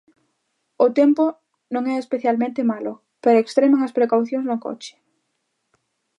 O tempo non é especialmente malo, pero extremen as precaucións no coche...